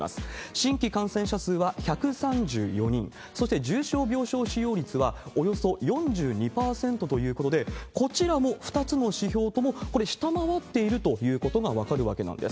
新規感染者数は１３４人、そして重症病床使用率はおよそ４２％ということで、こちらの２つの指標とも、これ下回っているということが分かるわけなんです。